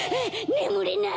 ねむれない！